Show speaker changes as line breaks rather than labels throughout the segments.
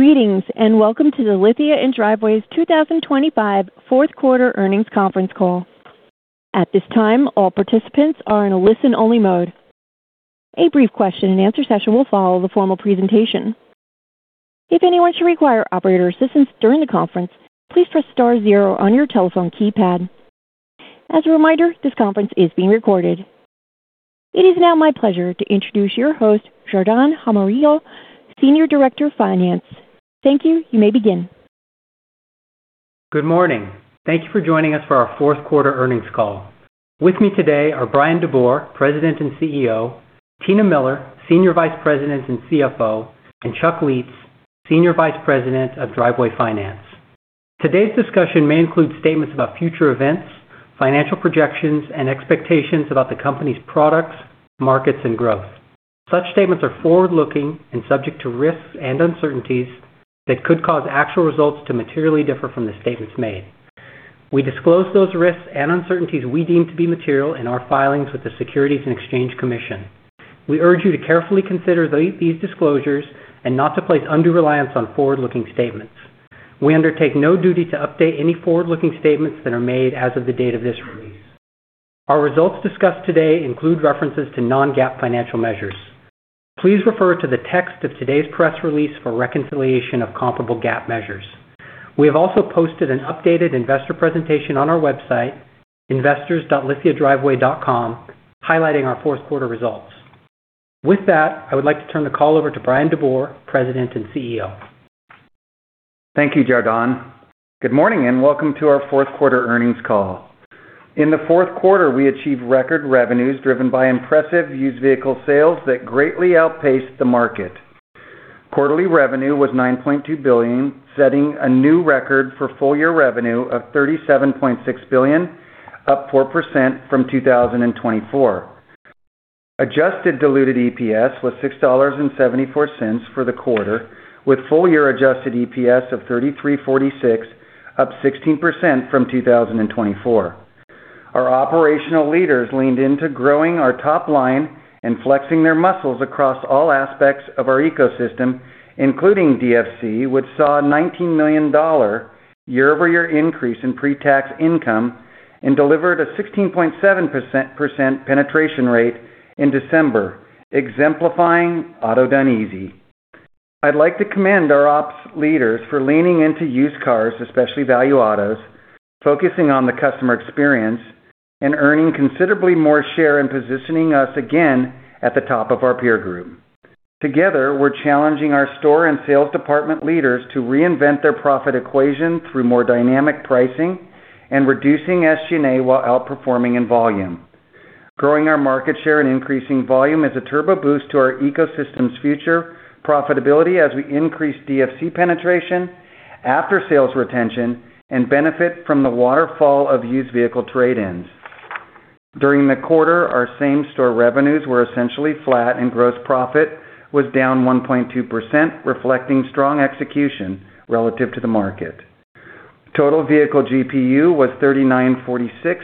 Greetings and welcome to the Lithia & Driveway 2025 fourth quarter earnings conference call. At this time, all participants are in a listen-only mode. A brief question-and-answer session will follow the formal presentation. If anyone should require operator assistance during the conference, please press star zero on your telephone keypad. As a reminder, this conference is being recorded. It is now my pleasure to introduce your host, Jardon Jaramillo, Senior Director of Finance. Thank you. You may begin.
Good morning. Thank you for joining us for our fourth quarter earnings call. With me today are Bryan DeBoer, President and CEO; Tina Miller, Senior Vice President and CFO; and Chuck Lietz, Senior Vice President of Driveway Finance. Today's discussion may include statements about future events, financial projections, and expectations about the company's products, markets, and growth. Such statements are forward-looking and subject to risks and uncertainties that could cause actual results to materially differ from the statements made. We disclose those risks and uncertainties we deem to be material in our filings with the Securities and Exchange Commission. We urge you to carefully consider these disclosures and not to place undue reliance on forward-looking statements. We undertake no duty to update any forward-looking statements that are made as of the date of this release. Our results discussed today include references to non-GAAP financial measures. Please refer to the text of today's press release for reconciliation of comparable GAAP measures. We have also posted an updated investor presentation on our website, investors.lithiadriveway.com, highlighting our fourth quarter results. With that, I would like to turn the call over to Bryan DeBoer, President and CEO.
Thank you, Jardon. Good morning and welcome to our fourth quarter earnings call. In the fourth quarter, we achieved record revenues driven by impressive used vehicle sales that greatly outpaced the market. Quarterly revenue was $9.2 billion, setting a new record for full-year revenue of $37.6 billion, up 4% from 2024. Adjusted diluted EPS was $6.74 for the quarter, with full-year adjusted EPS of $33.46, up 16% from 2024. Our operational leaders leaned into growing our top line and flexing their muscles across all aspects of our ecosystem, including DFC, which saw a $19 million year-over-year increase in pre-tax income and delivered a 16.7% penetration rate in December, exemplifying auto-done easy. I'd like to commend our ops leaders for leaning into used cars, especially value autos, focusing on the customer experience, and earning considerably more share in positioning us again at the top of our peer group. Together, we're challenging our store and sales department leaders to reinvent their profit equation through more dynamic pricing and reducing SG&A while outperforming in volume. Growing our market share and increasing volume is a turbo boost to our ecosystem's future profitability as we increase DFC penetration, after-sales retention, and benefit from the waterfall of used vehicle trade-ins. During the quarter, our same-store revenues were essentially flat, and gross profit was down 1.2%, reflecting strong execution relative to the market. Total vehicle GPU was $39.46,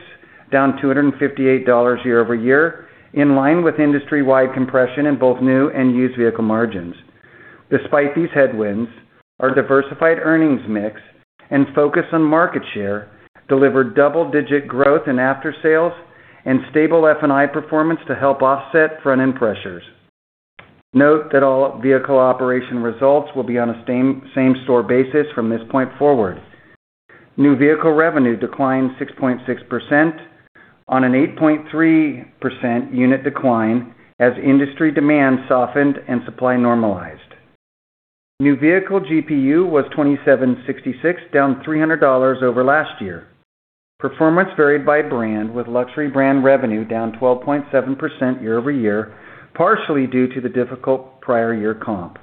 down $258 year-over-year, in line with industry-wide compression in both new and used vehicle margins. Despite these headwinds, our diversified earnings mix and focus on market share delivered double-digit growth in after-sales and stable F&I performance to help offset front-end pressures. Note that all vehicle operation results will be on a same-store basis from this point forward. New vehicle revenue declined 6.6%, on an 8.3% unit decline as industry demand softened and supply normalized. New vehicle GPU was $27.66, down $300 over last year. Performance varied by brand, with luxury brand revenue down 12.7% year-over-year, partially due to the difficult prior-year comp.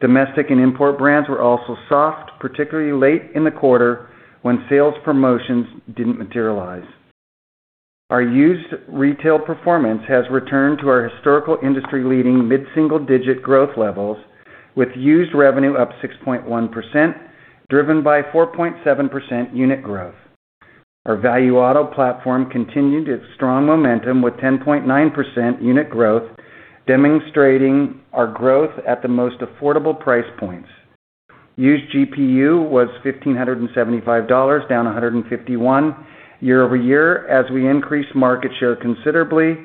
Domestic and import brands were also soft, particularly late in the quarter when sales promotions didn't materialize. Our used retail performance has returned to our historical industry-leading mid-single-digit growth levels, with used revenue up 6.1%, driven by 4.7% unit growth. Our Value Auto platform continued its strong momentum with 10.9% unit growth, demonstrating our growth at the most affordable price points. Used GPU was $1,575, down $151 year-over-year as we increased market share considerably,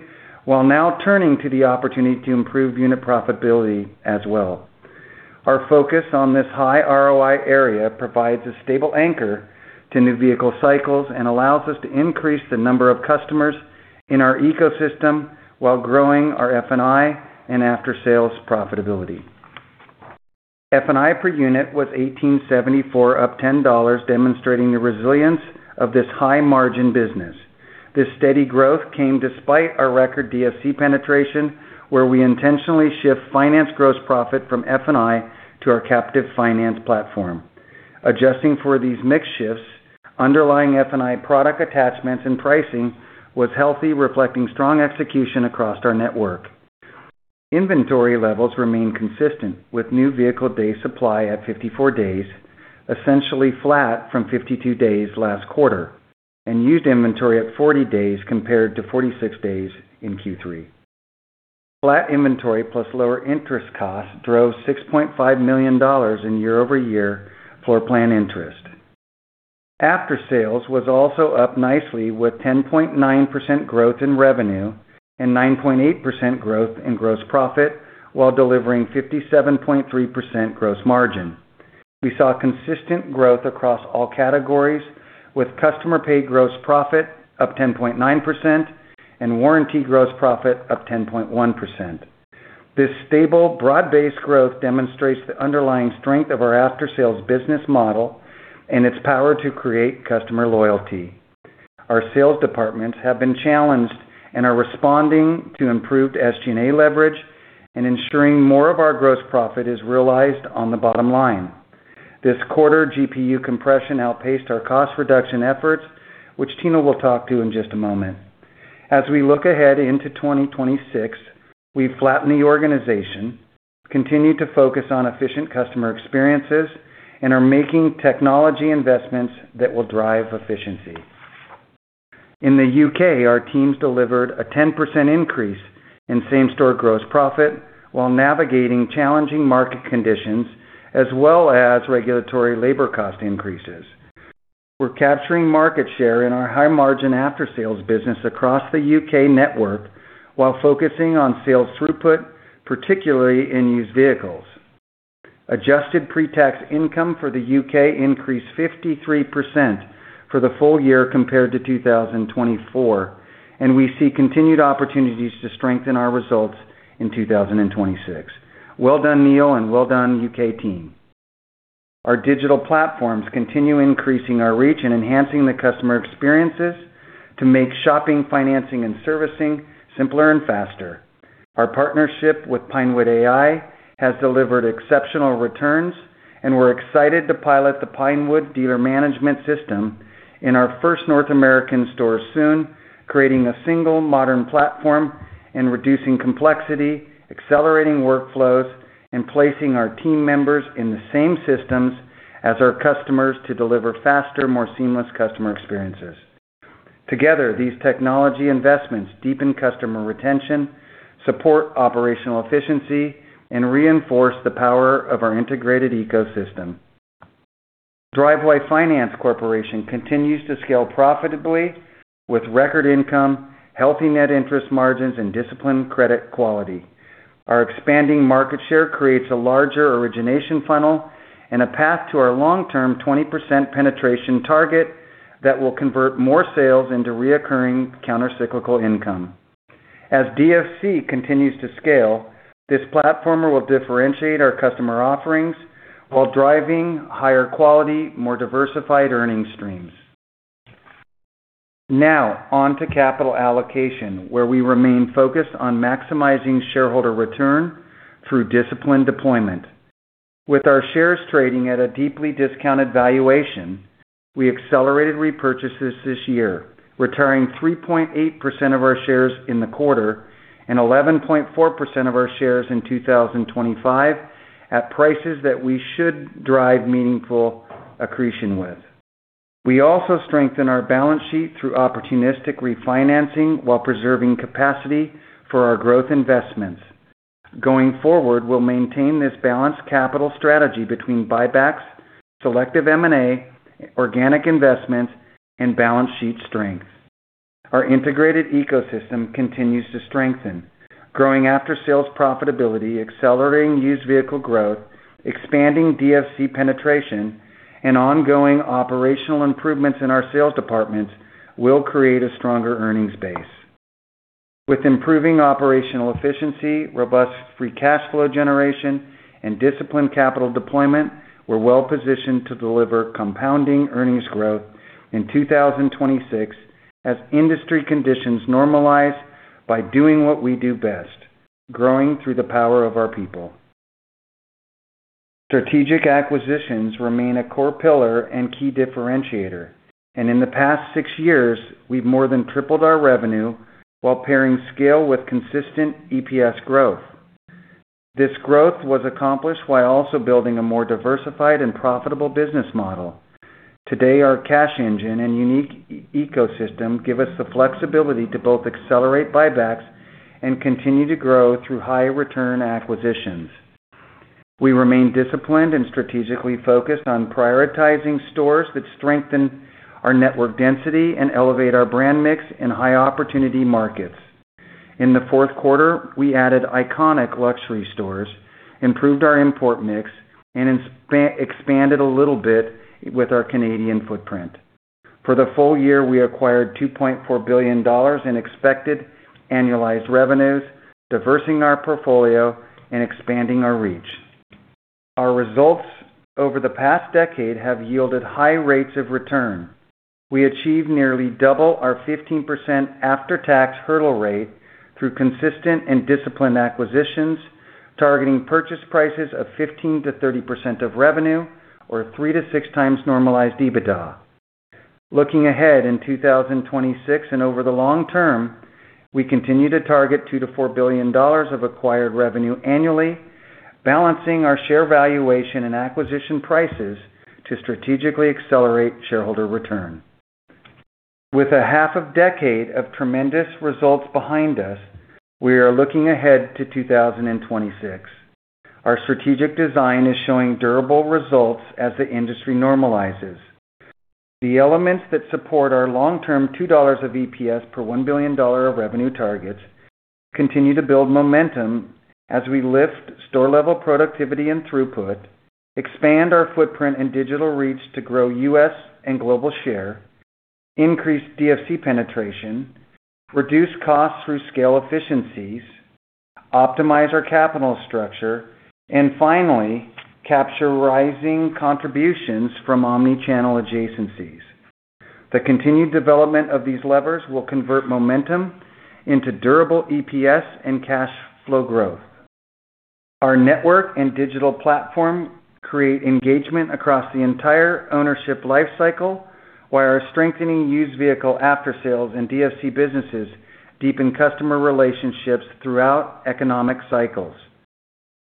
while now turning to the opportunity to improve unit profitability as well. Our focus on this high ROI area provides a stable anchor to new vehicle cycles and allows us to increase the number of customers in our ecosystem while growing our F&I and after-sales profitability. F&I per unit was $1,874, up $10, demonstrating the resilience of this high-margin business. This steady growth came despite our record DFC penetration, where we intentionally shift finance gross profit from F&I to our captive finance platform. Adjusting for these mix shifts, underlying F&I product attachments and pricing was healthy, reflecting strong execution across our network. Inventory levels remain consistent, with new vehicle day supply at 54 days, essentially flat from 52 days last quarter, and used inventory at 40 days compared to 46 days in Q3. Flat inventory plus lower interest costs drove $6.5 million in year-over-year floor plan interest. After-sales was also up nicely, with 10.9% growth in revenue and 9.8% growth in gross profit while delivering 57.3% gross margin. We saw consistent growth across all categories, with customer-paid gross profit up 10.9% and warranty gross profit up 10.1%. This stable, broad-based growth demonstrates the underlying strength of our after-sales business model and its power to create customer loyalty. Our sales departments have been challenged and are responding to improved SG&A leverage and ensuring more of our gross profit is realized on the bottom line. This quarter GPU compression outpaced our cost reduction efforts, which Tina will talk to in just a moment. As we look ahead into 2026, we've flattened the organization, continued to focus on efficient customer experiences, and are making technology investments that will drive efficiency. In the U.K., our teams delivered a 10% increase in same-store gross profit while navigating challenging market conditions as well as regulatory labor cost increases. We're capturing market share in our high-margin after-sales business across the U.K. network while focusing on sales throughput, particularly in used vehicles. Adjusted pre-tax income for the UK increased 53% for the full year compared to 2024, and we see continued opportunities to strengthen our results in 2026. Well done, Neil, and well done, UK team. Our digital platforms continue increasing our reach and enhancing the customer experiences to make shopping, financing, and servicing simpler and faster. Our partnership with Pinewood AI has delivered exceptional returns, and we're excited to pilot the Pinewood Dealer Management System in our first North American store soon, creating a single modern platform and reducing complexity, accelerating workflows, and placing our team members in the same systems as our customers to deliver faster, more seamless customer experiences. Together, these technology investments deepen customer retention, support operational efficiency, and reinforce the power of our integrated ecosystem. Driveway Finance Corporation continues to scale profitably with record income, healthy net interest margins, and disciplined credit quality. Our expanding market share creates a larger origination funnel and a path to our long-term 20% penetration target that will convert more sales into recurring countercyclical income. As DFC continues to scale, this platform will differentiate our customer offerings while driving higher quality, more diversified earnings streams. Now, on to capital allocation, where we remain focused on maximizing shareholder return through disciplined deployment. With our shares trading at a deeply discounted valuation, we accelerated repurchases this year, retiring 3.8% of our shares in the quarter and 11.4% of our shares in 2025 at prices that we should drive meaningful accretion with. We also strengthen our balance sheet through opportunistic refinancing while preserving capacity for our growth investments. Going forward, we'll maintain this balanced capital strategy between buybacks, selective M&A, organic investments, and balance sheet strength. Our integrated ecosystem continues to strengthen. Growing after-sales profitability, accelerating used vehicle growth, expanding DFC penetration, and ongoing operational improvements in our sales departments will create a stronger earnings base. With improving operational efficiency, robust free cash flow generation, and disciplined capital deployment, we're well-positioned to deliver compounding earnings growth in 2026 as industry conditions normalize by doing what we do best: growing through the power of our people. Strategic acquisitions remain a core pillar and key differentiator, and in the past six years, we've more than tripled our revenue while pairing scale with consistent EPS growth. This growth was accomplished while also building a more diversified and profitable business model. Today, our cash engine and unique ecosystem give us the flexibility to both accelerate buybacks and continue to grow through higher-return acquisitions. We remain disciplined and strategically focused on prioritizing stores that strengthen our network density and elevate our brand mix in high-opportunity markets. In the fourth quarter, we added iconic luxury stores, improved our import mix, and expanded a little bit with our Canadian footprint. For the full year, we acquired $2.4 billion in expected annualized revenues, diversifying our portfolio and expanding our reach. Our results over the past decade have yielded high rates of return. We achieved nearly double our 15% after-tax hurdle rate through consistent and disciplined acquisitions, targeting purchase prices of 15%-30% of revenue, or 3x-6x normalized EBITDA. Looking ahead in 2026 and over the long term, we continue to target $2-$4 billion of acquired revenue annually, balancing our share valuation and acquisition prices to strategically accelerate shareholder return. With a half a decade of tremendous results behind us, we are looking ahead to 2026. Our strategic design is showing durable results as the industry normalizes. The elements that support our long-term $2 of EPS per $1 billion of revenue targets continue to build momentum as we lift store-level productivity and throughput, expand our footprint and digital reach to grow U.S. and global share, increase DFC penetration, reduce costs through scale efficiencies, optimize our capital structure, and finally capture rising contributions from omnichannel adjacencies. The continued development of these levers will convert momentum into durable EPS and cash flow growth. Our network and digital platform create engagement across the entire ownership lifecycle, while our strengthening used vehicle after-sales and DFC businesses deepen customer relationships throughout economic cycles.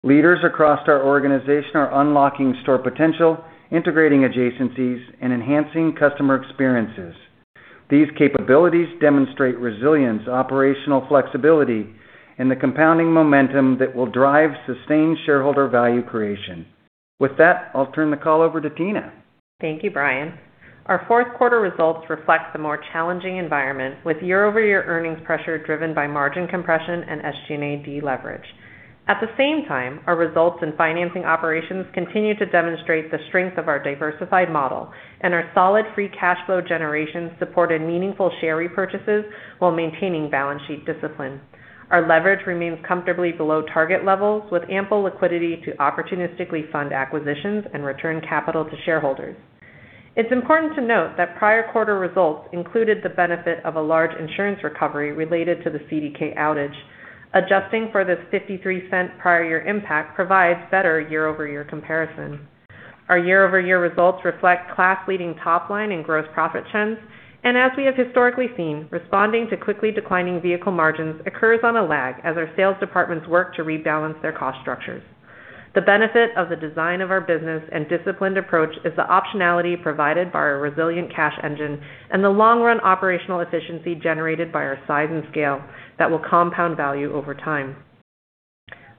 Leaders across our organization are unlocking store potential, integrating adjacencies, and enhancing customer experiences. These capabilities demonstrate resilience, operational flexibility, and the compounding momentum that will drive sustained shareholder value creation. With that, I'll turn the call over to Tina.
Thank you, Bryan. Our fourth quarter results reflect the more challenging environment, with year-over-year earnings pressure driven by margin compression and SG&A de-leverage. At the same time, our results in financing operations continue to demonstrate the strength of our diversified model, and our solid free cash flow generation supported meaningful share repurchases while maintaining balance sheet discipline. Our leverage remains comfortably below target levels, with ample liquidity to opportunistically fund acquisitions and return capital to shareholders. It's important to note that prior quarter results included the benefit of a large insurance recovery related to the CDK outage. Adjusting for this $0.53 prior-year impact provides better year-over-year comparison. Our year-over-year results reflect class-leading top-line and gross profit trends, and as we have historically seen, responding to quickly declining vehicle margins occurs on a lag as our sales departments work to rebalance their cost structures. The benefit of the design of our business and disciplined approach is the optionality provided by our resilient cash engine and the long-run operational efficiency generated by our size and scale that will compound value over time.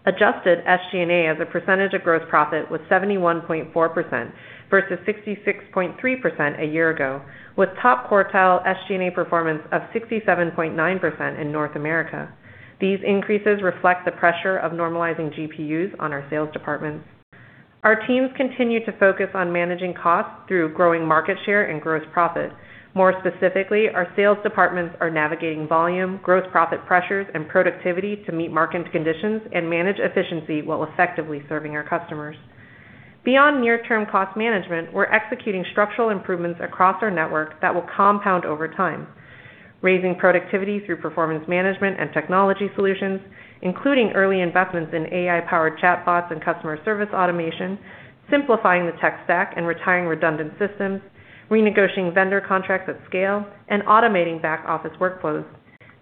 Adjusted SG&A as a percentage of gross profit was 71.4% versus 66.3% a year ago, with top quartile SG&A performance of 67.9% in North America. These increases reflect the pressure of normalizing GPUs on our sales departments. Our teams continue to focus on managing costs through growing market share and gross profit. More specifically, our sales departments are navigating volume, gross profit pressures, and productivity to meet market conditions and manage efficiency while effectively serving our customers. Beyond near-term cost management, we're executing structural improvements across our network that will compound over time: raising productivity through performance management and technology solutions, including early investments in AI-powered chatbots and customer service automation, simplifying the tech stack and retiring redundant systems, renegotiating vendor contracts at scale, and automating back-office workflows.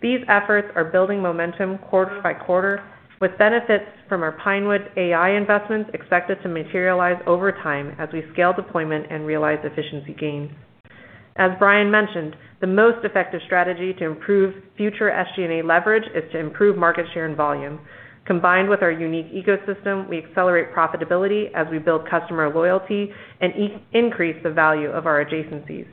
These efforts are building momentum quarter by quarter, with benefits from our Pinewood AI investments expected to materialize over time as we scale deployment and realize efficiency gains. As Bryan mentioned, the most effective strategy to improve future SG&A leverage is to improve market share and volume. Combined with our unique ecosystem, we accelerate profitability as we build customer loyalty and increase the value of our adjacencies.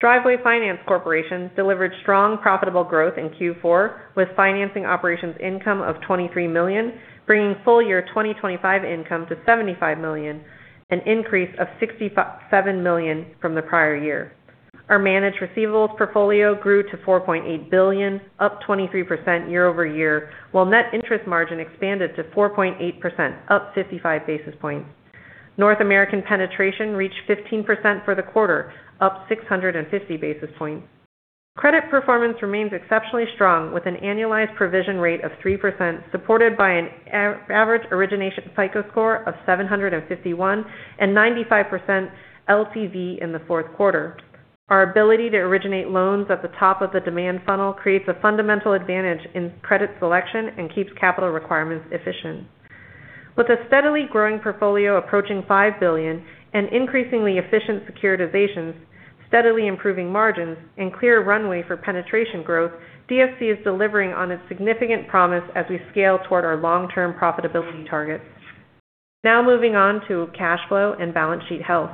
Driveway Finance Corporation delivered strong, profitable growth in Q4, with financing operations income of $23 million, bringing full-year 2025 income to $75 million, an increase of $67 million from the prior year. Our managed receivables portfolio grew to $4.8 billion, up 23% year-over-year, while net interest margin expanded to 4.8%, up 55 basis points. North American penetration reached 15% for the quarter, up 650 basis points. Credit performance remains exceptionally strong, with an annualized provision rate of 3% supported by an average origination FICO score of 751 and 95% LTV in the fourth quarter. Our ability to originate loans at the top of the demand funnel creates a fundamental advantage in credit selection and keeps capital requirements efficient. With a steadily growing portfolio approaching $5 billion and increasingly efficient securitizations, steadily improving margins, and clear runway for penetration growth, DFC is delivering on its significant promise as we scale toward our long-term profitability targets. Now moving on to cash flow and balance sheet health.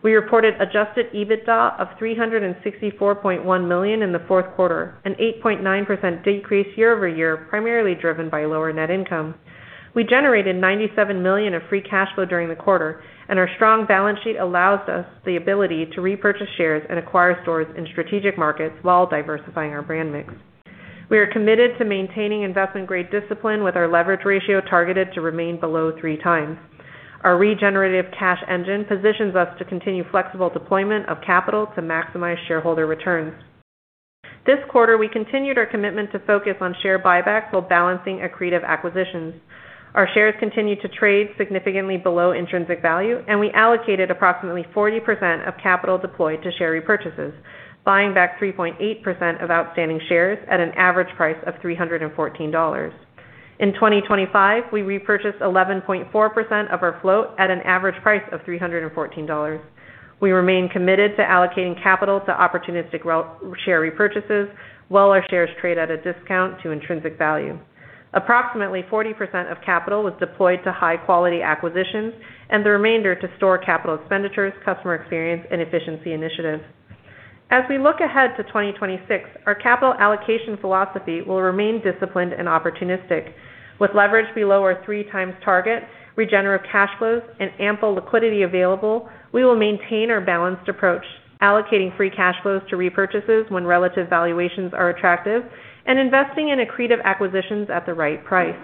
We reported adjusted EBITDA of $364.1 million in the fourth quarter, an 8.9% decrease year-over-year, primarily driven by lower net income. We generated $97 million of free cash flow during the quarter, and our strong balance sheet allows us the ability to repurchase shares and acquire stores in strategic markets while diversifying our brand mix. We are committed to maintaining investment-grade discipline, with our leverage ratio targeted to remain below three times. Our regenerative cash engine positions us to continue flexible deployment of capital to maximize shareholder returns. This quarter, we continued our commitment to focus on share buybacks while balancing accretive acquisitions. Our shares continued to trade significantly below intrinsic value, and we allocated approximately 40% of capital deployed to share repurchases, buying back 3.8% of outstanding shares at an average price of $314. In 2025, we repurchased 11.4% of our float at an average price of $314. We remain committed to allocating capital to opportunistic share repurchases while our shares trade at a discount to intrinsic value. Approximately 40% of capital was deployed to high-quality acquisitions, and the remainder to store capital expenditures, customer experience, and efficiency initiatives. As we look ahead to 2026, our capital allocation philosophy will remain disciplined and opportunistic. With leverage below our three-times target, regenerative cash flows, and ample liquidity available, we will maintain our balanced approach, allocating free cash flows to repurchases when relative valuations are attractive and investing in accretive acquisitions at the right price.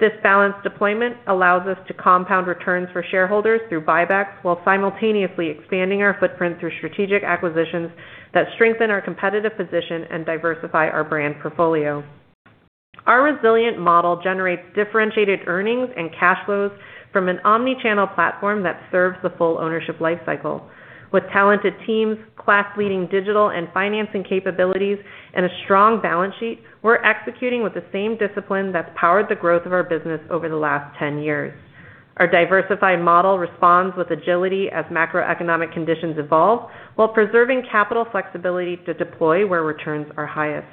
This balanced deployment allows us to compound returns for shareholders through buybacks while simultaneously expanding our footprint through strategic acquisitions that strengthen our competitive position and diversify our brand portfolio. Our resilient model generates differentiated earnings and cash flows from an omnichannel platform that serves the full ownership lifecycle. With talented teams, class-leading digital and financing capabilities, and a strong balance sheet, we're executing with the same discipline that's powered the growth of our business over the last 10 years. Our diversified model responds with agility as macroeconomic conditions evolve, while preserving capital flexibility to deploy where returns are highest.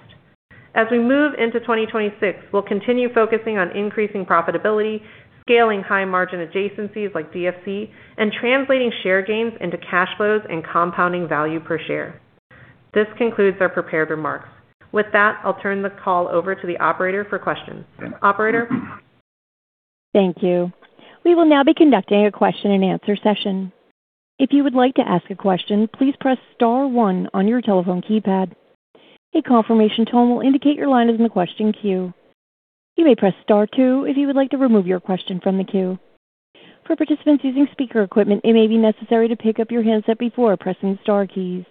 As we move into 2026, we'll continue focusing on increasing profitability, scaling high-margin adjacencies like DFC, and translating share gains into cash flows and compounding value per share. This concludes our prepared remarks. With that, I'll turn the call over to the operator for questions. Operator?
Thank you. We will now be conducting a question-and-answer session. If you would like to ask a question, please press star one on your telephone keypad. A confirmation tone will indicate your line is in the question queue. You may press star two if you would like to remove your question from the queue. For participants using speaker equipment, it may be necessary to pick up your handset before pressing the star keys.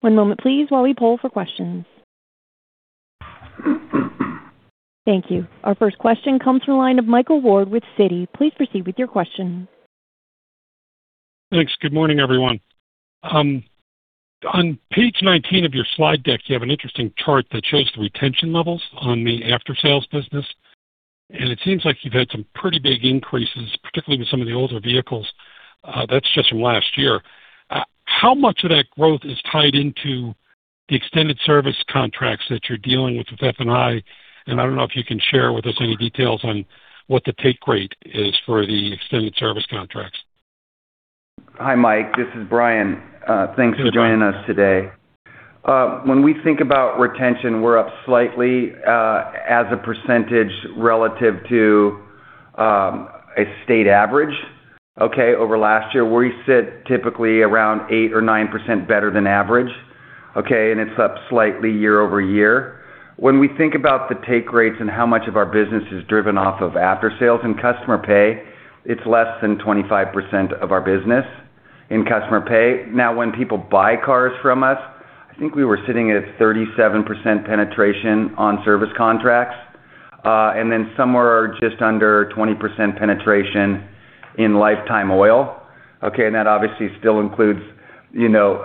One moment, please, while we poll for questions. Thank you. Our first question comes from the line of Michael Ward with Citi. Please proceed with your question.
Thanks. Good morning, everyone. On page 19 of your slide deck, you have an interesting chart that shows the retention levels on the after-sales business, and it seems like you've had some pretty big increases, particularly with some of the older vehicles. That's just from last year. How much of that growth is tied into the extended service contracts that you're dealing with F&I? I don't know if you can share with us any details on what the take rate is for the extended service contracts.
Hi, Mike. This is Bryan. Thanks for joining us today. When we think about retention, we're up slightly, as a percentage relative to a state average, okay, over last year. We sit typically around 8% or 9% better than average, okay, and it's up slightly year-over-year. When we think about the take rates and how much of our business is driven off of after-sales and customer pay, it's less than 25% of our business in customer pay. Now, when people buy cars from us, I think we were sitting at 37% penetration on service contracts, and then some were just under 20% penetration in lifetime oil, okay, and that obviously still includes, you know,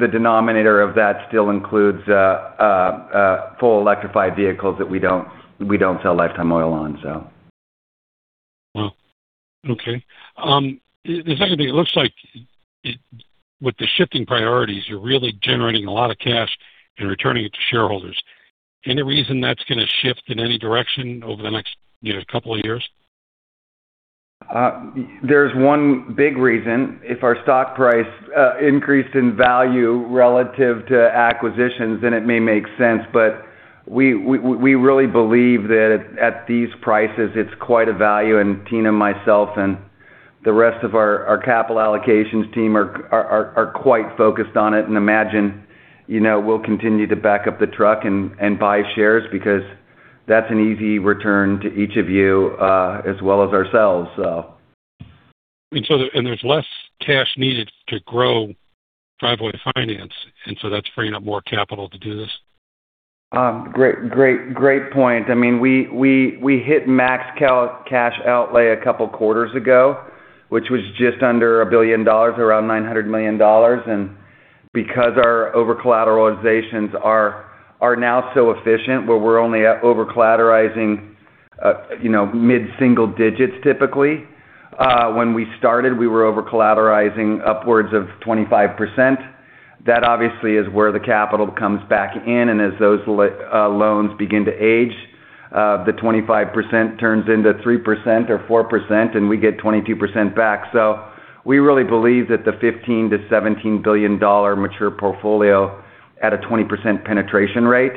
the denominator of that still includes full-electrified vehicles that we don't we don't sell lifetime oil on, so.
Okay. The second thing, it looks like it with the shifting priorities, you're really generating a lot of cash and returning it to shareholders. Any reason that's going to shift in any direction over the next, you know, couple of years?
There's one big reason. If our stock price increased in value relative to acquisitions, then it may make sense, but we really believe that at these prices, it's quite a value, and Tina, myself, and the rest of our capital allocations team are quite focused on it and imagine, you know, we'll continue to back up the truck and buy shares because that's an easy return to each of you, as well as ourselves, so. So there's less cash needed to grow Driveway Finance, and so that's freeing up more capital to do this? Great, great, great point. I mean, we hit max cap cash outlay a couple quarters ago, which was just under $1 billion, around $900 million, and because our over-collateralizations are now so efficient where we're only over-collateralizing, you know, mid-single digits typically. When we started, we were over-collateralizing upwards of 25%. That obviously is where the capital comes back in, and as those loans begin to age, the 25% turns into 3% or 4%, and we get 22% back. So we really believe that the $15-$17 billion mature portfolio at a 20% penetration rate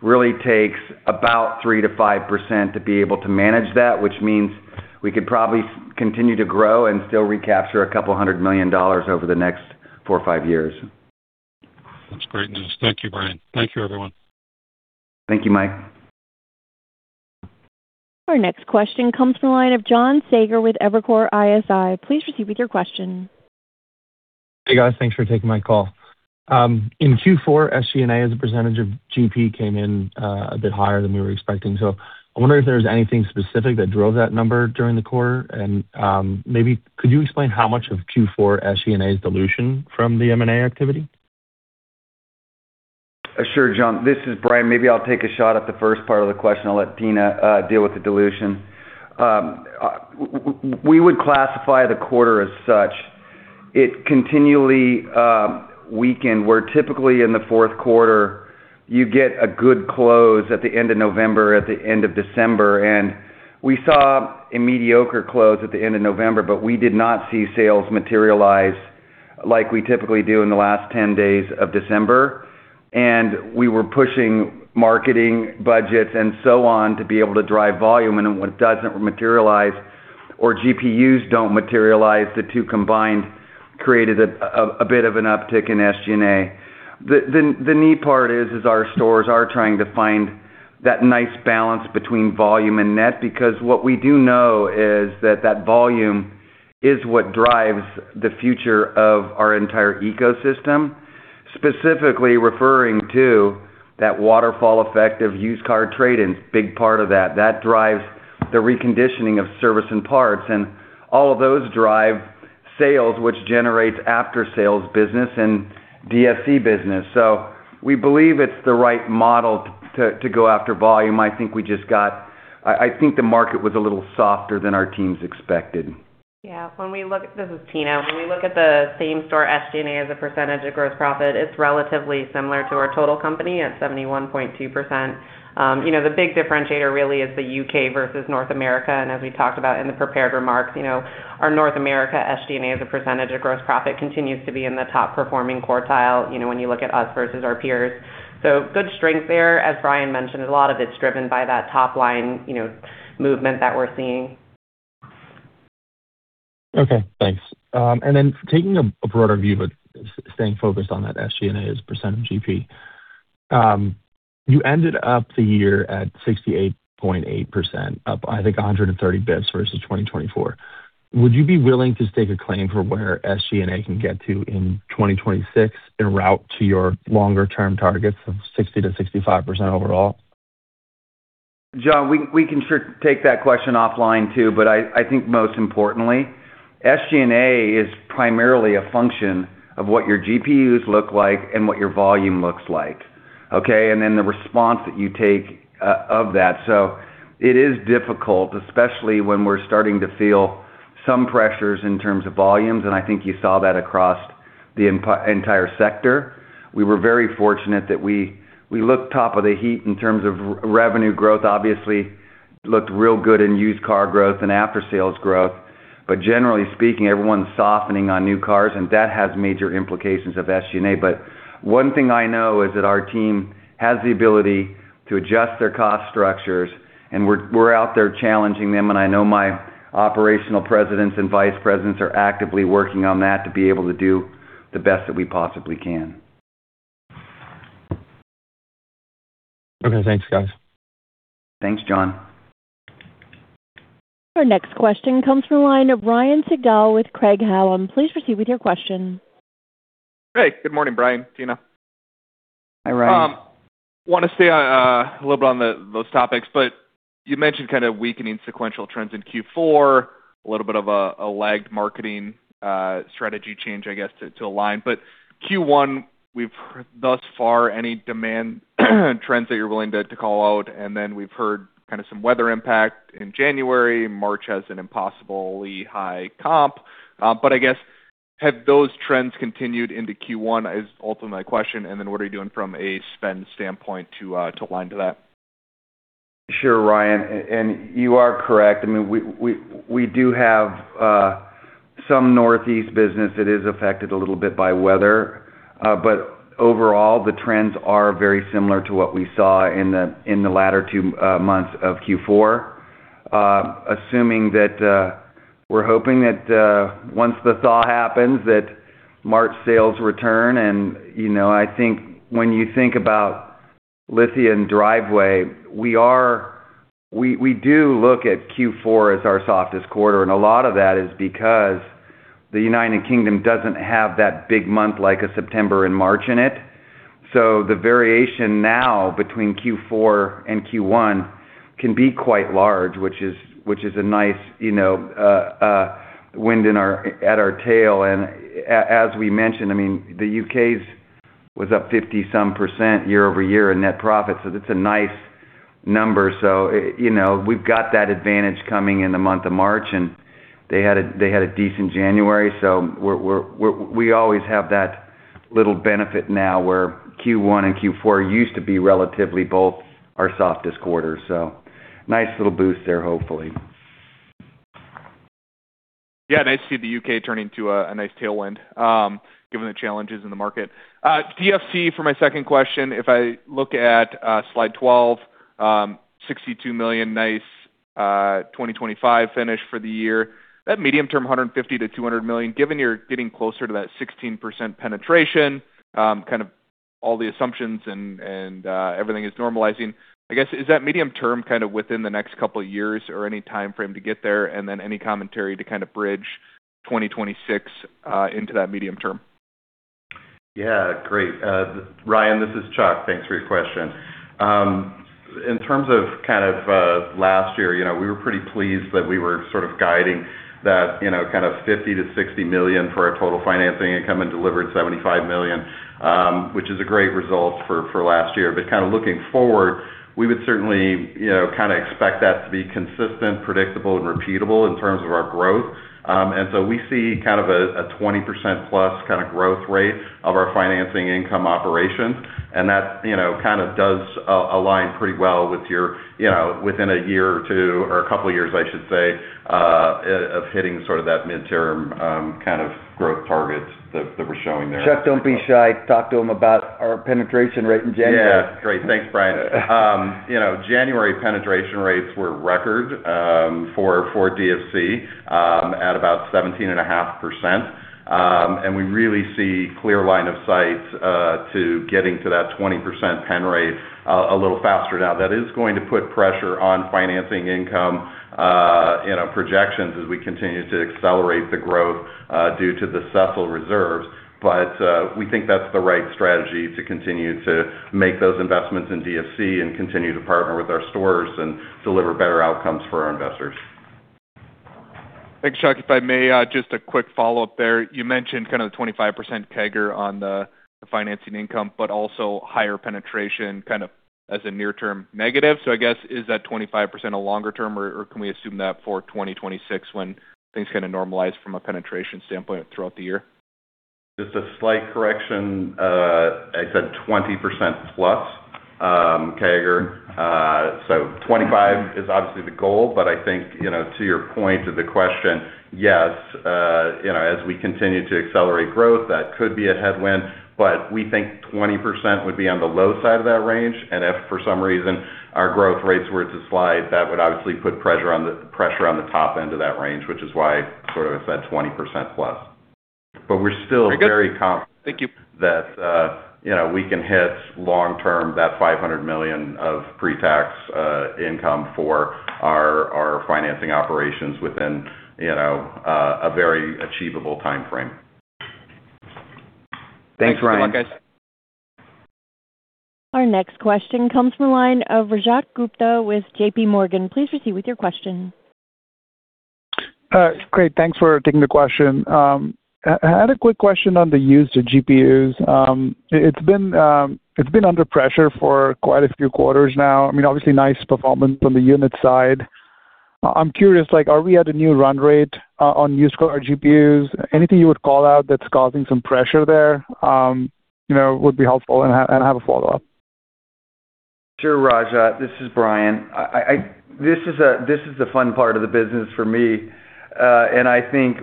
really takes about 3%-5% to be able to manage that, which means we could probably continue to grow and still recapture a couple hundred million dollars over the next four or five years.
That's great news. Thank you, Bryan. Thank you, everyone.
Thank you, Mike.
Our next question comes from the line of John Saager with Evercore ISI. Please proceed with your question.
Hey, guys. Thanks for taking my call. In Q4, SG&A as a percentage of GP came in a bit higher than we were expecting, so I wonder if there was anything specific that drove that number during the quarter. And maybe could you explain how much of Q4 SG&A's dilution from the M&A activity?
Sure, John. This is Bryan. Maybe I'll take a shot at the first part of the question. I'll let Tina deal with the dilution. We would classify the quarter as such. It continually weakened. We're typically in the fourth quarter. You get a good close at the end of November, at the end of December, and we saw a mediocre close at the end of November, but we did not see sales materialize like we typically do in the last 10 days of December. We were pushing marketing budgets and so on to be able to drive volume, and when it doesn't materialize or GPUs don't materialize, the two combined created a bit of an uptick in SG&A. The neat part is our stores are trying to find that nice balance between volume and net because what we do know is that volume is what drives the future of our entire ecosystem, specifically referring to that waterfall effect of used car trade-ins, big part of that. That drives the reconditioning of service and parts, and all of those drive sales, which generates after-sales business and DFC business. So we believe it's the right model to go after volume. I think we just got. I think the market was a little softer than our teams expected.
Yeah. When we look at this is Tina. When we look at the same store SG&A as a percentage of gross profit, it's relatively similar to our total company at 71.2%. You know, the big differentiator really is the UK versus North America, and as we talked about in the prepared remarks, you know, our North America SG&A as a percentage of gross profit continues to be in the top-performing quartile, you know, when you look at us versus our peers. So good strength there. As Bryan mentioned, a lot of it's driven by that top line, you know, movement that we're seeing.
Okay. Thanks. And then taking a broader view of staying focused on that SG&A as a percent of GP, you ended up the year at 68.8%, up, I think, 130 basis points versus 2024. Would you be willing to stake a claim for where SG&A can get to in 2026 en route to your longer-term targets of 60%-65% overall?
John, we can sure take that question offline, too, but I think most importantly, SG&A is primarily a function of what your GPUs look like and what your volume looks like, okay, and then the response that you take to that. So it is difficult, especially when we're starting to feel some pressures in terms of volumes, and I think you saw that across the entire sector. We were very fortunate that we beat the heat in terms of revenue growth, obviously looked real good in used car growth and after-sales growth, but generally speaking, everyone's softening on new cars, and that has major implications for SG&A. But one thing I know is that our team has the ability to adjust their cost structures, and we're out there challenging them, and I know my operational presidents and vice presidents are actively working on that to be able to do the best that we possibly can.
Okay. Thanks, guys.
Thanks, John.
Our next question comes from the line of Ryan Sigdahl with Craig-Hallum. Please proceed with your question.
Hey. Good morning, Bryan. Tina.
Hi, Ryan.
Want to stay on a little bit on those topics, but you mentioned kind of weakening sequential trends in Q4, a little bit of a lagged marketing strategy change, I guess, to align. But Q1, we've heard thus far any demand trends that you're willing to call out, and then we've heard kind of some weather impact in January. March has an impossibly high comp. but I guess, have those trends continued into Q1 is ultimately my question, and then what are you doing from a spend standpoint to align to that?
Sure, Ryan. And you are correct. I mean, we do have some northeast business that is affected a little bit by weather, but overall, the trends are very similar to what we saw in the latter two months of Q4, assuming that we're hoping that once the thaw happens, that March sales return. And you know, I think when you think about Lithia and Driveway, we do look at Q4 as our softest quarter, and a lot of that is because the United Kingdom doesn't have that big month like a September and March in it. So the variation now between Q4 and Q1 can be quite large, which is a nice, you know, wind in our at our tail. And as we mentioned, I mean, the UK's was up 50-some% year-over-year in net profit, so that's a nice number. So, you know, we've got that advantage coming in the month of March, and they had a decent January, so we always have that little benefit now where Q1 and Q4 used to be relatively both our softest quarters, so nice little boost there, hopefully.
Yeah. Nice to see the UK turning to a nice tailwind, given the challenges in the market. DFC, for my second question, if I look at slide 12, $62 million, nice 2025 finish for the year. That medium-term $150 million-$200 million, given you're getting closer to that 16% penetration, kind of all the assumptions and everything is normalizing, I guess, is that medium-term kind of within the next couple of years or any time frame to get there, and then any commentary to kind of bridge 2026 into that medium-term?
Yeah. Great. Ryan, this is Chuck. Thanks for your question. In terms of kind of last year, you know, we were pretty pleased that we were sort of guiding that, you know, kind of $50 million-$60 million for our total financing income and delivered $75 million, which is a great result for last year. But kind of looking forward, we would certainly, you know, kind of expect that to be consistent, predictable, and repeatable in terms of our growth. And so we see kind of a 20%+ kind of growth rate of our financing income operations, and that, you know, kind of does align pretty well with your, you know, within a year or two or a couple of years, I should say, of hitting sort of that midterm kind of growth target that we're showing there.
Chuck, don't be shy. Talk to him about our penetration rate in January.
Yeah. Great. Thanks, Bryan. You know, January penetration rates were record for DFC at about 17.5%. And we really see clear line of sight to getting to that 20% pen rate a little faster now. That is going to put pressure on financing income, you know, projections as we continue to accelerate the growth, due to the CECL reserves, but we think that's the right strategy to continue to make those investments in DFC and continue to partner with our stores and deliver better outcomes for our investors.
Thanks, Chuck. If I may, just a quick follow-up there. You mentioned kind of the 25% CAGR on the, the financing income but also higher penetration kind of as a near-term negative. So I guess, is that 25% a longer term, or, or can we assume that for 2026 when things kind of normalize from a penetration standpoint throughout the year?
Just a slight correction, I said 20%+ CAGR. So 25 is obviously the goal, but I think, you know, to your point to the question, yes, you know, as we continue to accelerate growth, that could be a headwind, but we think 20% would be on the low side of that range. And if for some reason our growth rates were to slide, that would obviously put pressure on the pressure on the top end of that range, which is why sort of I said 20%-plus. But we're still very confident. Very good.
Thank you.
That, you know, we can hit long-term that $500 million of pre-tax income for our, our financing operations within, you know, a very achievable time frame.
Thanks, Ryan.
Thanks a lot, guys.
Our next question comes from the line of Rajat Gupta with JP Morgan. Please proceed with your question. Great. Thanks for taking the question.
I had a quick question on the used GPUs. It's been, it's been under pressure for quite a few quarters now. I mean, obviously, nice performance on the unit side. I'm curious, like, are we at a new run rate on used car GPUs? Anything you would call out that's causing some pressure there, you know, would be helpful and have a follow-up.
Sure, Rajat. This is Bryan. I this is the fun part of the business for me, and I think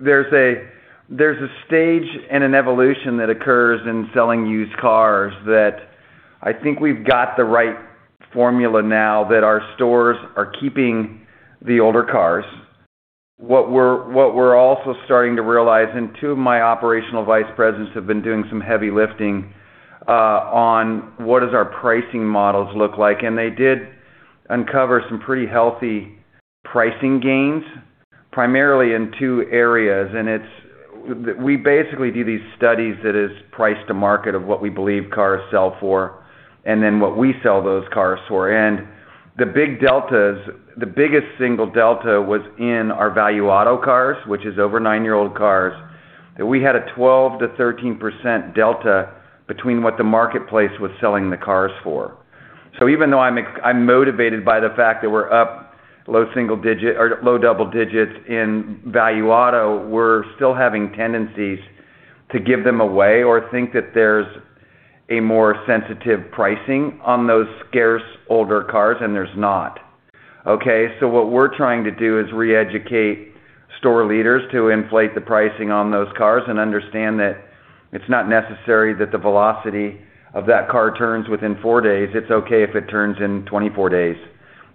there's a stage and an evolution that occurs in selling used cars that I think we've got the right formula now that our stores are keeping the older cars. What we're also starting to realize, and two of my operational vice presidents have been doing some heavy lifting, on what does our pricing models look like, and they did uncover some pretty healthy pricing gains primarily in two areas. And it's we basically do these studies that is price to market of what we believe cars sell for and then what we sell those cars for. And the biggest single delta was in our Value Auto cars, which is over 9-year-old cars, that we had a 12%-13% delta between what the marketplace was selling the cars for. So even though I'm excited, I'm motivated by the fact that we're up low single digit or low double digits in Value Auto, we're still having tendencies to give them away or think that there's a more sensitive pricing on those scarce older cars, and there's not, okay? So what we're trying to do is reeducate store leaders to inflate the pricing on those cars and understand that it's not necessary that the velocity of that car turns within four days. It's okay if it turns in 24 days,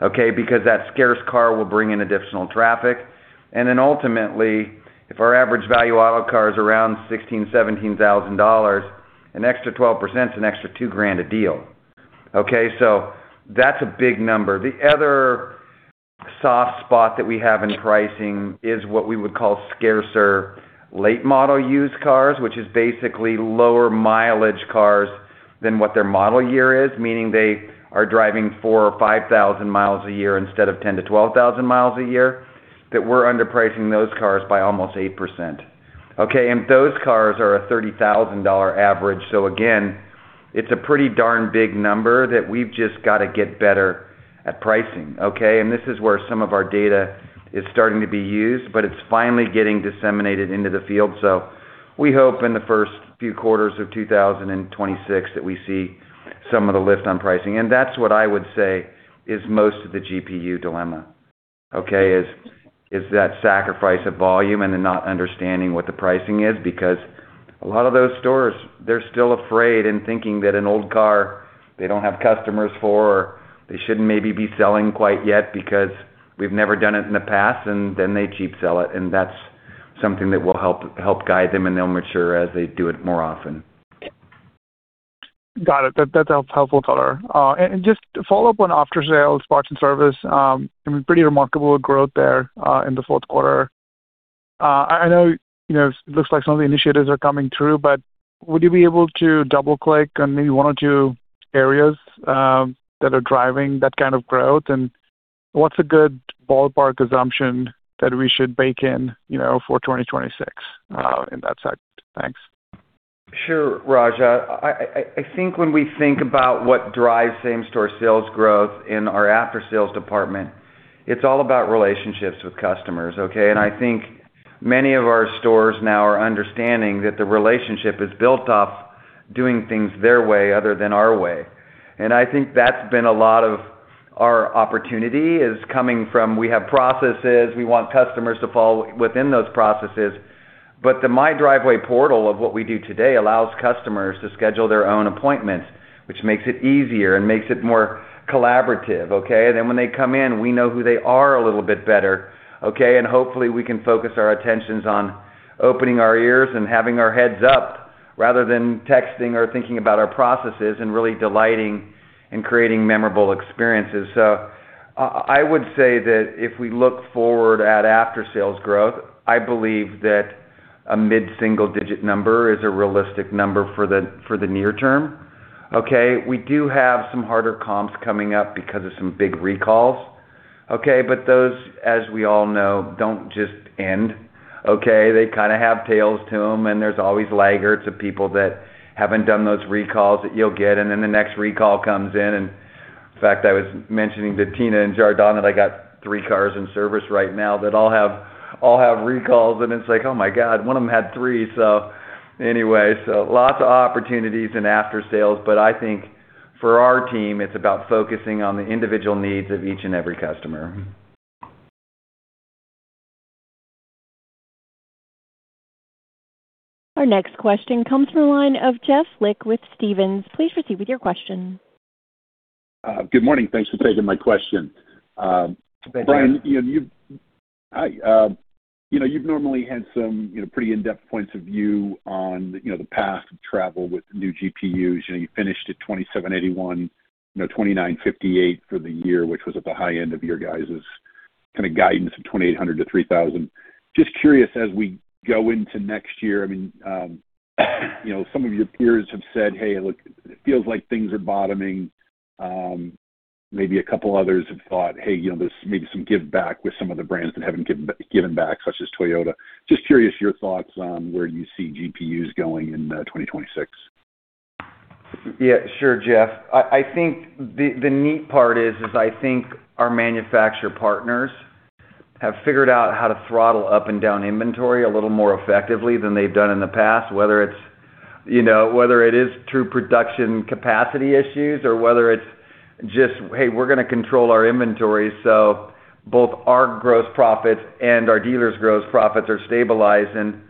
okay, because that scarce car will bring in additional traffic. And then ultimately, if our average Value Auto car is around $16,000-$17,000, an extra 12% is an extra $2,000 a deal, okay? So that's a big number. The other soft spot that we have in pricing is what we would call scarcer late model used cars, which is basically lower mileage cars than what their model year is, meaning they are driving 4,000 or 5,000 miles a year instead of 10,000-12,000 miles a year, that we're underpricing those cars by almost 8%, okay? Those cars are a $30,000 average. Again, it's a pretty darn big number that we've just got to get better at pricing, okay? This is where some of our data is starting to be used, but it's finally getting disseminated into the field. We hope in the first few quarters of 2026 that we see some of the lift on pricing. And that's what I would say is most of the GPU dilemma, okay, is that sacrifice of volume and then not understanding what the pricing is because a lot of those stores, they're still afraid and thinking that an old car they don't have customers for or they shouldn't maybe be selling quite yet because we've never done it in the past, and then they cheap-sell it. That's something that will help guide them, and they'll mature as they do it more often.
Got it. That's helpful color. And just to follow up on after-sales parts and service, I mean, pretty remarkable growth there, in the fourth quarter. I know, you know, it looks like some of the initiatives are coming through, but would you be able to double-click on maybe one or two areas that are driving that kind of growth, and what's a good ballpark assumption that we should bake in, you know, for 2026, in that segment? Thanks.
Sure, Rajat. I think when we think about what drives same-store sales growth in our after-sales department, it's all about relationships with customers, okay? And I think many of our stores now are understanding that the relationship is built off doing things their way other than our way. And I think that's been a lot of our opportunity is coming from we have processes. We want customers to follow within those processes, but the My Driveway portal of what we do today allows customers to schedule their own appointments, which makes it easier and makes it more collaborative, okay? And then when they come in, we know who they are a little bit better, okay? And hopefully, we can focus our attentions on opening our ears and having our heads up rather than texting or thinking about our processes and really delighting and creating memorable experiences. So I, I would say that if we look forward at after-sales growth, I believe that a mid-single-digit number is a realistic number for the near term, okay? We do have some harder comps coming up because of some big recalls, okay? But those, as we all know, don't just end, okay? They kind of have tails to them, and there's always laggards of people that haven't done those recalls that you'll get, and then the next recall comes in. And in fact, I was mentioning to Tina and Jardon that I got three cars in service right now that all have all have recalls, and it's like, "Oh my God. One of them had three." So anyway, so lots of opportunities in after-sales, but I think for our team, it's about focusing on the individual needs of each and every customer.
Our next question comes from the line of Jeff Lick with Stephens. Please proceed with your question.
Good morning. Thanks for taking my question. Bryan, you know, you've hi, you know, you've normally had some, you know, pretty in-depth points of view on, you know, the path of travel with new GPUs. You know, you finished at 2,781, you know, 2,958 for the year, which was at the high end of your guys' kind of guidance of 2,800-3,000. Just curious, as we go into next year, I mean, you know, some of your peers have said, "Hey, look, it feels like things are bottoming." Maybe a couple others have thought, "Hey, you know, there's maybe some give-back with some of the brands that haven't given back, such as Toyota." Just curious your thoughts on where you see GPUs going in 2026.
Yeah. Sure, Jeff. I think the neat part is I think our manufacturer partners have figured out how to throttle up and down inventory a little more effectively than they've done in the past, whether it's, you know, whether it is true production capacity issues or whether it's just, "Hey, we're going to control our inventory so both our gross profits and our dealer's gross profits are stabilized." And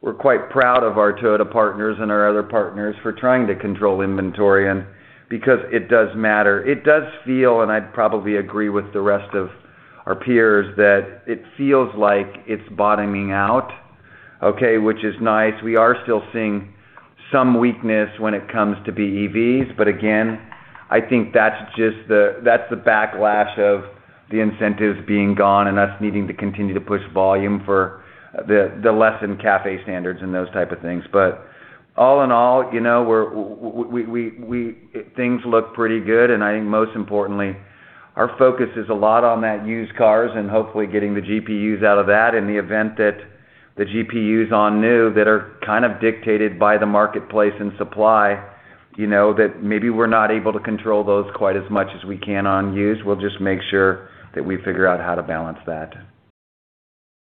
we're quite proud of our Toyota partners and our other partners for trying to control inventory because it does matter. It does feel, and I'd probably agree with the rest of our peers, that it feels like it's bottoming out, okay, which is nice. We are still seeing some weakness when it comes to BEVs, but again, I think that's just the backlash of the incentives being gone and us needing to continue to push volume for the lessened CAFE standards and those type of things. But all in all, you know, we're things look pretty good, and I think most importantly, our focus is a lot on that used cars and hopefully getting the GPUs out of that in the event that the GPUs on new that are kind of dictated by the marketplace and supply, you know, that maybe we're not able to control those quite as much as we can on used. We'll just make sure that we figure out how to balance that.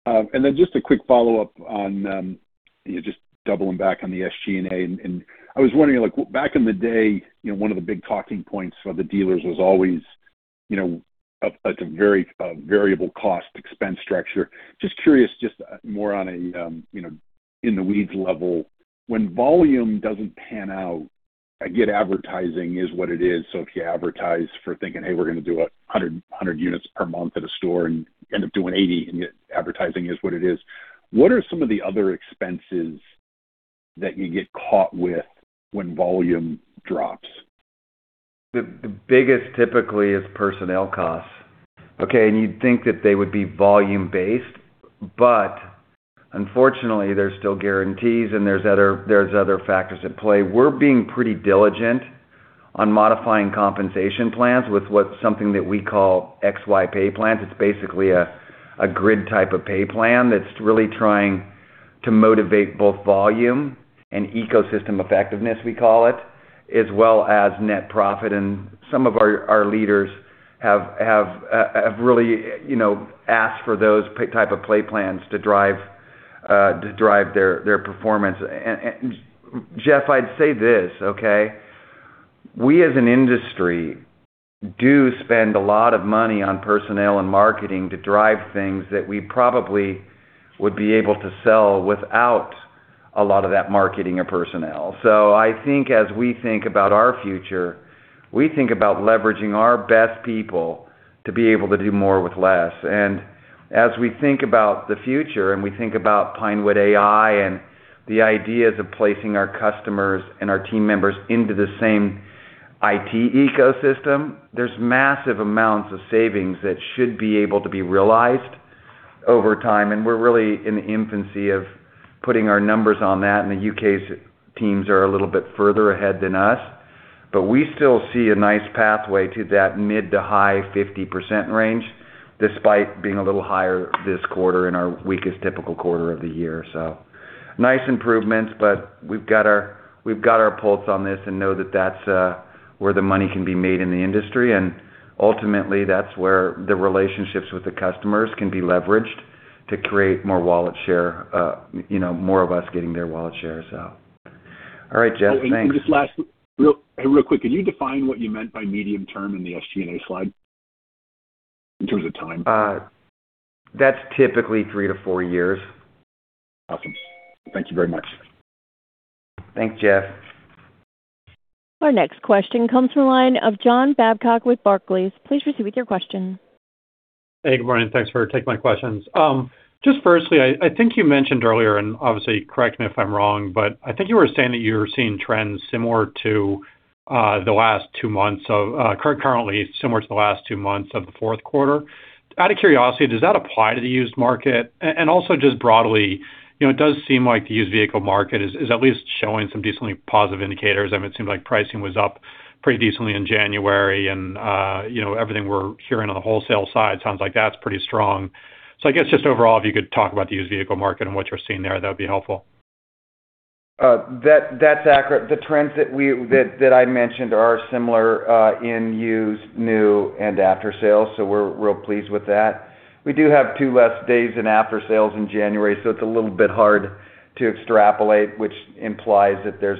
And then just a quick follow-up on, you know, just doubling back on the SG&A, and I was wondering, like, back in the day, you know, one of the big talking points for the dealers was always, you know, a very variable cost-expense structure. Just curious, just more on a, you know, in-the-weeds level, when volume doesn't pan out, I get advertising is what it is. So if you advertise for thinking, "Hey, we're going to do 100 units per month at a store and end up doing 80," and yet advertising is what it is, what are some of the other expenses that you get caught with when volume drops?
The biggest typically is personnel costs, okay? And you'd think that they would be volume-based, but unfortunately, there's still guarantees, and there's other factors at play. We're being pretty diligent on modifying compensation plans with what's something that we call XY Pay Plans. It's basically a grid type of pay plan that's really trying to motivate both volume and ecosystem effectiveness, we call it, as well as net profit. And some of our leaders have really, you know, asked for those type of pay plans to drive their performance. And Jeff, I'd say this, okay? We as an industry do spend a lot of money on personnel and marketing to drive things that we probably would be able to sell without a lot of that marketing or personnel. So I think as we think about our future, we think about leveraging our best people to be able to do more with less. As we think about the future and we think about Pinewood AI and the ideas of placing our customers and our team members into the same IT ecosystem, there's massive amounts of savings that should be able to be realized over time. We're really in the infancy of putting our numbers on that, and the U.K.'s teams are a little bit further ahead than us, but we still see a nice pathway to that mid- to high-50% range despite being a little higher this quarter in our weakest typical quarter of the year. So nice improvements, but we've got our pulse on this and know that that's where the money can be made in the industry. And ultimately, that's where the relationships with the customers can be leveraged to create more wallet share, you know, more of us getting their wallet share, so. All right, Jeff. Thanks.
Oh, and just last real quick, can you define what you meant by medium term in the SG&A slide in terms of time?
That's typically 3-4 years.
Awesome. Thank you very much.
Thanks, Jeff.
Our next question comes from the line of John Babcock with Barclays. Please proceed with your question.
Hey, good morning. Thanks for taking my questions. Just firstly, I, I think you mentioned earlier, and obviously, correct me if I'm wrong, but I think you were saying that you were seeing trends similar to the last two months of, currently similar to the last two months of the fourth quarter. Out of curiosity, does that apply to the used market? And, and also just broadly, you know, it does seem like the used vehicle market is, is at least showing some decently positive indicators. I mean, it seemed like pricing was up pretty decently in January, and, you know, everything we're hearing on the wholesale side sounds like that's pretty strong. So I guess just overall, if you could talk about the used vehicle market and what you're seeing there, that would be helpful.
That's accurate. The trends that I mentioned are similar in used, new, and after-sales, so we're real pleased with that. We do have two less days in after-sales in January, so it's a little bit hard to extrapolate, which implies that there's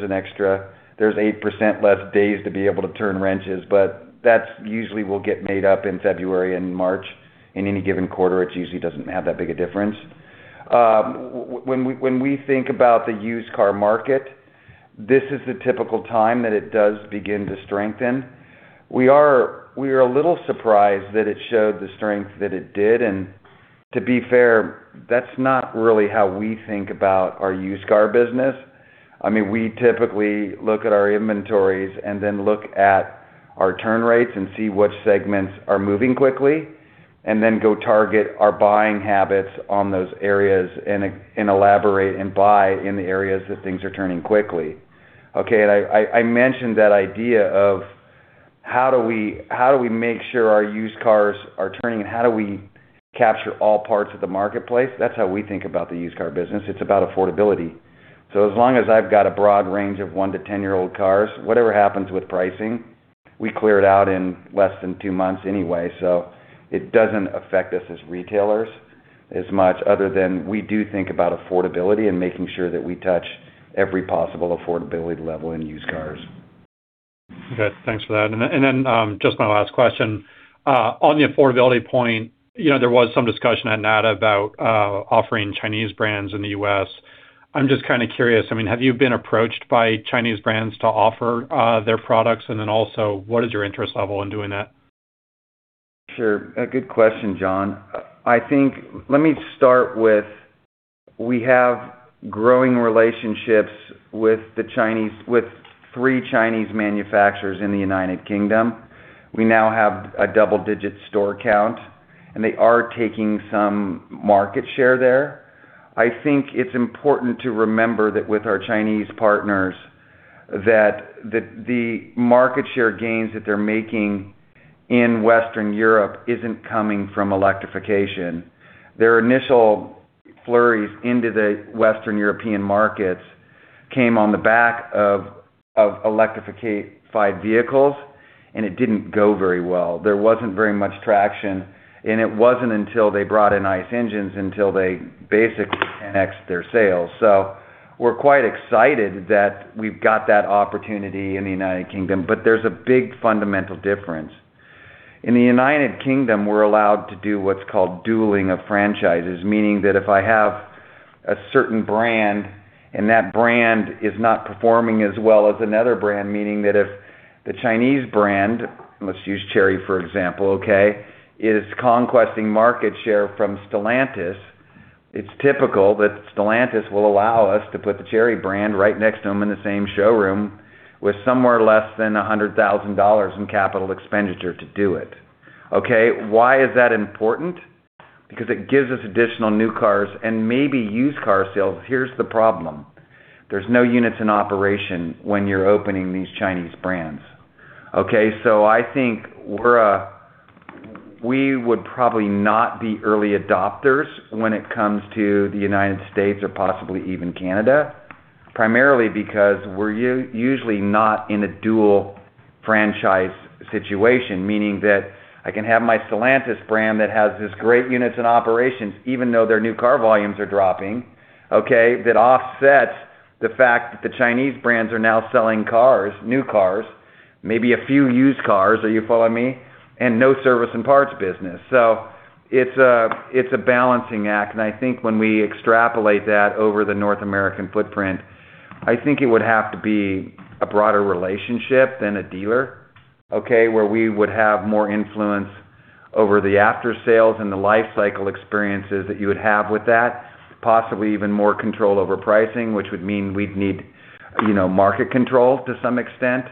8% less days to be able to turn wrenches, but that usually will get made up in February and March. In any given quarter, it usually doesn't have that big a difference. When we think about the used car market, this is the typical time that it does begin to strengthen. We are a little surprised that it showed the strength that it did. To be fair, that's not really how we think about our used car business. I mean, we typically look at our inventories and then look at our turn rates and see which segments are moving quickly and then go target our buying habits on those areas and elaborate and buy in the areas that things are turning quickly, okay? I mentioned that idea of how do we make sure our used cars are turning, and how do we capture all parts of the marketplace? That's how we think about the used car business. It's about affordability. So as long as I've got a broad range of 1-10-year-old cars, whatever happens with pricing, we clear it out in less than 2 months anyway, so it doesn't affect us as retailers as much other than we do think about affordability and making sure that we touch every possible affordability level in used cars.
Good. Thanks for that. And then, just my last question. On the affordability point, you know, there was some discussion at NADA about offering Chinese brands in the U.S. I'm just kind of curious. I mean, have you been approached by Chinese brands to offer their products? And then also, what is your interest level in doing that?
Sure. A good question, John. I think, let me start with we have growing relationships with the Chinese with three Chinese manufacturers in the United Kingdom. We now have a double-digit store count, and they are taking some market share there. I think it's important to remember that with our Chinese partners, that the market share gains that they're making in Western Europe isn't coming from electrification. Their initial flurries into the Western European markets came on the back of electrified vehicles, and it didn't go very well. There wasn't very much traction, and it wasn't until they brought in ICE engines until they basically 10X their sales. So we're quite excited that we've got that opportunity in the United Kingdom, but there's a big fundamental difference. In the United Kingdom, we're allowed to do what's called dualing of franchises, meaning that if I have a certain brand and that brand is not performing as well as another brand, meaning that if the Chinese brand - let's use Chery, for example, okay? Is conquesting market share from Stellantis, it's typical that Stellantis will allow us to put the Chery brand right next to them in the same showroom with somewhere less than $100,000 in capital expenditure to do it, okay? Why is that important? Because it gives us additional new cars and maybe used car sales. Here's the problem. There's no units in operation when you're opening these Chinese brands, okay? So I think we're, we would probably not be early adopters when it comes to the United States or possibly even Canada, primarily because we're usually not in a dual franchise situation, meaning that I can have my Stellantis brand that has this great units in operations even though their new car volumes are dropping, okay, that offsets the fact that the Chinese brands are now selling cars, new cars, maybe a few used cars, are you following me, and no service and parts business. So it's a balancing act. And I think when we extrapolate that over the North American footprint, I think it would have to be a broader relationship than a dealer, okay, where we would have more influence over the after-sales and the life cycle experiences that you would have with that, possibly even more control over pricing, which would mean we'd need, you know, market control to some extent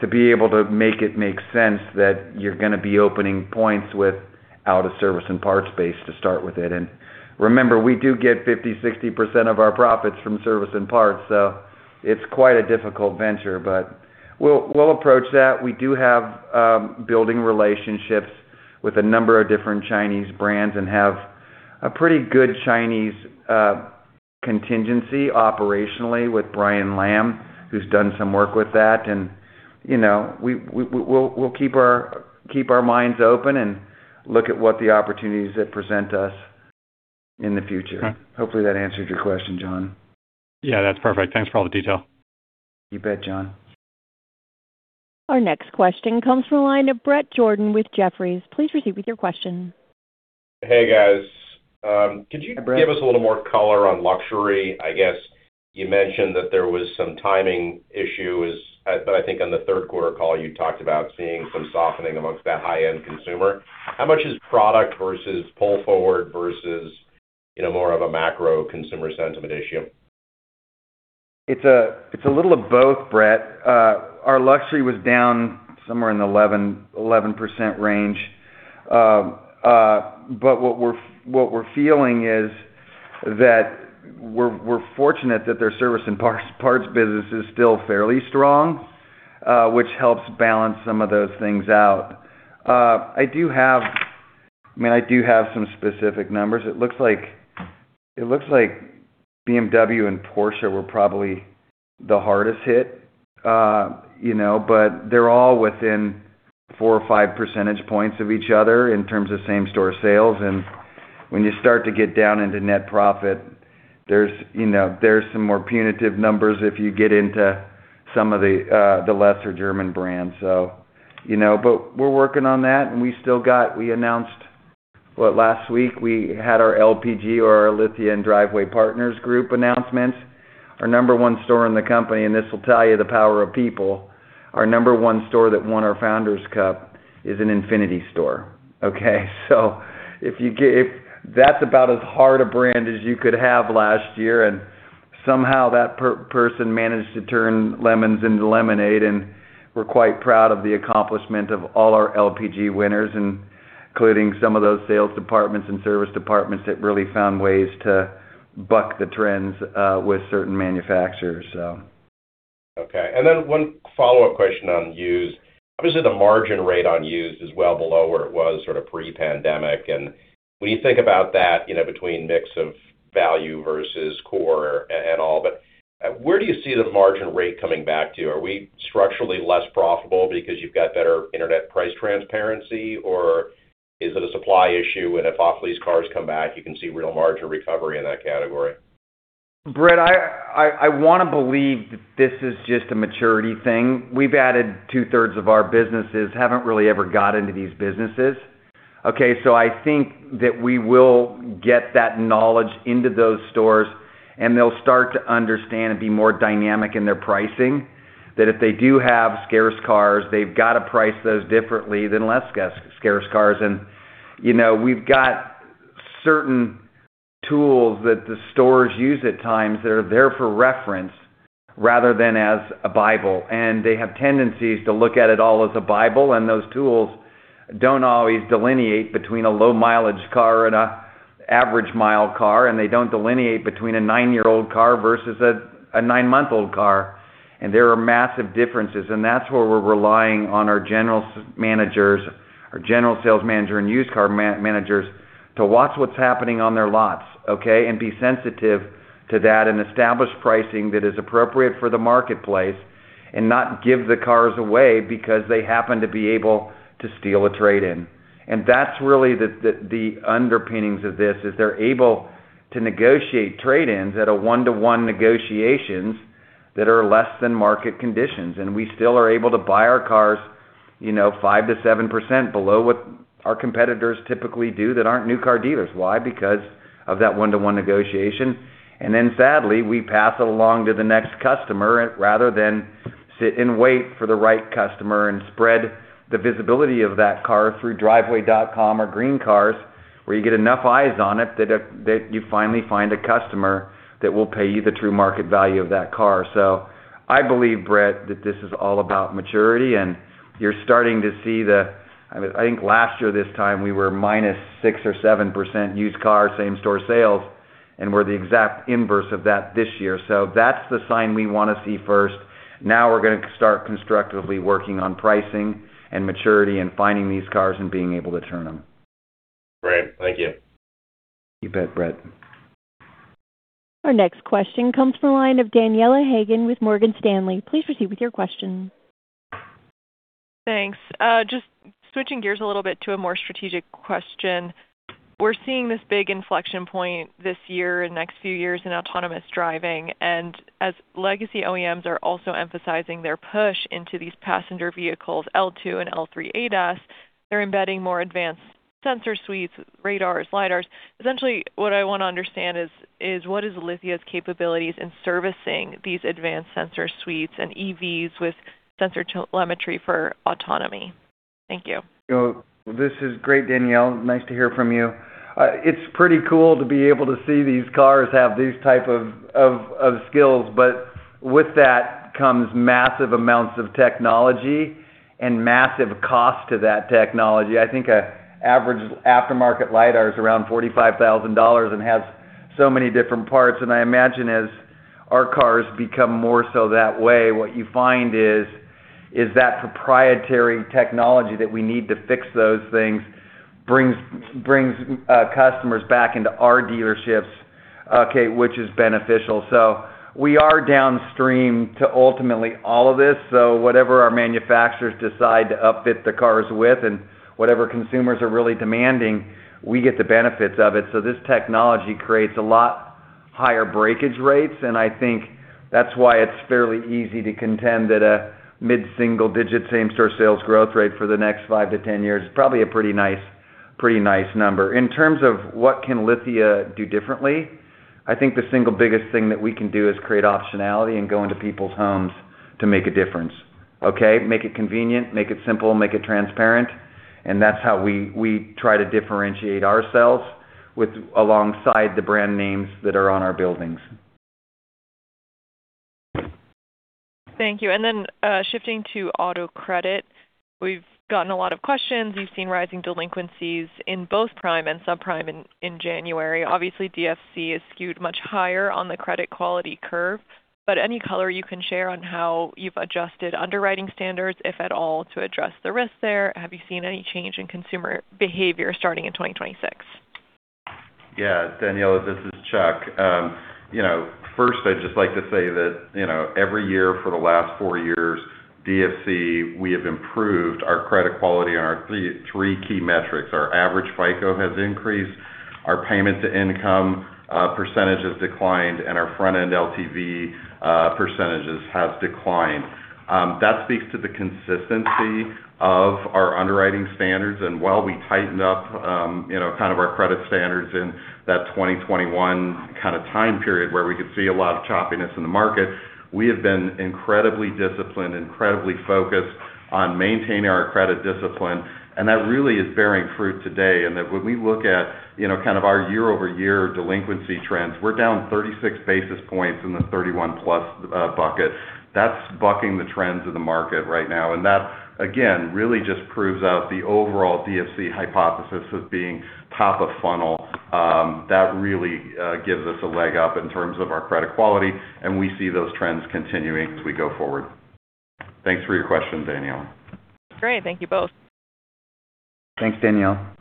to be able to make it make sense that you're going to be opening points with out-of-service and parts base to start with it. And remember, we do get 50%-60% of our profits from service and parts, so it's quite a difficult venture, but we'll, we'll approach that. We do have, building relationships with a number of different Chinese brands and have a pretty good Chinese, contingency operationally with Brian Lam, who's done some work with that. You know, we'll keep our minds open and look at what the opportunities that present us in the future. Hopefully, that answered your question, John.
Yeah, that's perfect. Thanks for all the detail.
You bet, John.
Our next question comes from the line of Bret Jordan with Jefferies. Please proceed with your question.
Hey, guys. Could you give us a little more color on luxury? I guess you mentioned that there was some timing issue as but I think on the third-quarter call, you talked about seeing some softening amongst that high-end consumer. How much is product versus pull forward versus, you know, more of a macro consumer sentiment issue?
It's a little of both, Bret. Our luxury was down somewhere in the 11%-11% range but what we're feeling is that we're fortunate that their service and parts business is still fairly strong, which helps balance some of those things out. I do have, I mean, some specific numbers. It looks like BMW and Porsche were probably the hardest hit, you know, but they're all within 4 or 5 percentage points of each other in terms of same-store sales. And when you start to get down into net profit, there's, you know, some more punitive numbers if you get into some of the lesser German brands, so, you know. But we're working on that, and we still got, we announced what? Last week, we had our LPG or our Lithium Driveway Partners Group announcements. Our number one store in the company - and this will tell you the power of people - our number one store that won our Founders Cup is an Infiniti store, okay? So if you get if that's about as hard a brand as you could have last year, and somehow that per-person managed to turn lemons into lemonade, and we're quite proud of the accomplishment of all our LPG winners, including some of those sales departments and service departments that really found ways to buck the trends, with certain manufacturers, so.
Okay. And then one follow-up question on used. Obviously, the margin rate on used is well below where it was sort of pre-pandemic. And when you think about that, you know, between mix of value versus core and all, but where do you see the margin rate coming back to? Are we structurally less profitable because you've got better internet price transparency, or is it a supply issue? And if off-lease cars come back, you can see real margin recovery in that category?
Bret, I want to believe that this is just a maturity thing. We've added two-thirds of our businesses, haven't really ever got into these businesses, okay? So I think that we will get that knowledge into those stores, and they'll start to understand and be more dynamic in their pricing, that if they do have scarce cars, they've got to price those differently than less scarce cars. And, you know, we've got certain tools that the stores use at times that are there for reference rather than as a Bible, and they have tendencies to look at it all as a Bible. Those tools don't always delineate between a low-mileage car and an average-mile car, and they don't delineate between a 9-year-old car versus a 9-month-old car. There are massive differences, and that's where we're relying on our general managers, our general sales manager and used car managers, to watch what's happening on their lots, okay, and be sensitive to that and establish pricing that is appropriate for the marketplace and not give the cars away because they happen to be able to steal a trade-in. That's really the underpinnings of this, is they're able to negotiate trade-ins at a 1:1 negotiations that are less than market conditions. We still are able to buy our cars, you know, 5%-7% below what our competitors typically do that aren't new car dealers. Why? Because of that 1:1 negotiation. And then, sadly, we pass it along to the next customer rather than sit and wait for the right customer and spread the visibility of that car through Driveway.com or GreenCars, where you get enough eyes on it that, that you finally find a customer that will pay you the true market value of that car. So I believe, Bret, that this is all about maturity, and you're starting to see the I mean, I think last year this time, we were minus 6 or 7% used car, same-store sales, and we're the exact inverse of that this year. So that's the sign we want to see first. Now, we're going to start constructively working on pricing and maturity and finding these cars and being able to turn them.
Great. Thank you.
You bet, Bret.
Our next question comes from the line of Daniela Haigian with Morgan Stanley. Please proceed with your question.
Thanks. Just switching gears a little bit to a more strategic question. We're seeing this big inflection point this year and next few years in autonomous driving. And as legacy OEMs are also emphasizing their push into these passenger vehicles, L2 and L3 ADAS, they're embedding more advanced sensor suites, radars, lidars. Essentially, what I want to understand is, what is Lithia's capabilities in servicing these advanced sensor suites and EVs with sensor telemetry for autonomy? Thank you.
Well, this is great, Daniela. Nice to hear from you. It's pretty cool to be able to see these cars have these type of skills, but with that comes massive amounts of technology and massive cost to that technology. I think an average aftermarket lidar is around $45,000 and has so many different parts. I imagine as our cars become more so that way, what you find is that proprietary technology that we need to fix those things brings customers back into our dealerships, okay, which is beneficial. So we are downstream to ultimately all of this. So whatever our manufacturers decide to upfit the cars with and whatever consumers are really demanding, we get the benefits of it. So this technology creates a lot higher breakage rates, and I think that's why it's fairly easy to contend that a mid-single-digit same-store sales growth rate for the next 5-10 years is probably a pretty nice, pretty nice number. In terms of what can Lithia do differently, I think the single biggest thing that we can do is create optionality and go into people's homes to make a difference, okay? Make it convenient, make it simple, make it transparent. And that's how we try to differentiate ourselves alongside the brand names that are on our buildings.
Thank you. And then, shifting to auto credit, we've gotten a lot of questions. You've seen rising delinquencies in both prime and sub-prime in January. Obviously, DFC is skewed much higher on the credit quality curve, but any color you can share on how you've adjusted underwriting standards, if at all, to address the risk there? Have you seen any change in consumer behavior starting in 2026?
Yeah, Daniela. This is Chuck. You know, first, I'd just like to say that, you know, every year for the last four years, DFC, we have improved our credit quality on our three key metrics. Our average FICO has increased. Our payment-to-income percentage has declined, and our front-end LTV percentage has declined. That speaks to the consistency of our underwriting standards. And while we tightened up, you know, kind of our credit standards in that 2021 kind of time period where we could see a lot of choppiness in the market, we have been incredibly disciplined, incredibly focused on maintaining our credit discipline. And that really is bearing fruit today. And that when we look at, you know, kind of our year-over-year delinquency trends, we're down 36 basis points in the 31-plus bucket. That's bucking the trends of the market right now. And that, again, really just proves out the overall DFC hypothesis of being top of funnel. That really gives us a leg up in terms of our credit quality, and we see those trends continuing as we go forward. Thanks for your question, Daniela.
Great. Thank you both.
Thanks, Daniela. Just call tell her it's the last one.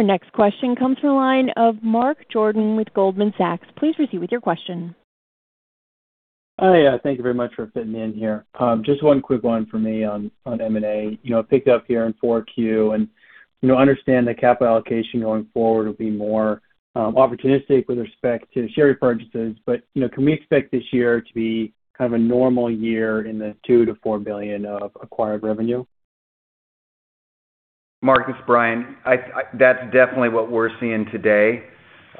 Our next question comes from the line of Mark Delaney with Goldman Sachs. Please proceed with your question.
Hi. Thank you very much for fitting in here. Just one quick one for me on, on M&A. You know, I picked up here in 4Q, and, you know, understand the capital allocation going forward will be more, opportunistic with respect to share repurchases. But, you know, can we expect this year to be kind of a normal year in the $2 billion-$4 billion of acquired revenue?
Mark, this is Bryan. I, that's definitely what we're seeing today.